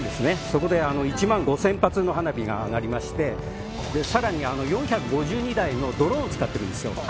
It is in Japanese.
そこで１万５０００発の花火が上がりまして、更に４５２台のドローンを使っているんですよ。